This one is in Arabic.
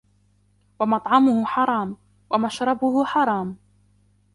وَمَطْعَمُهُ حَرَامٌ، وَمَشْرَبُهُ حَرَامِ،